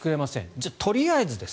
じゃあ、とりあえずです。